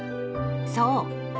［そう。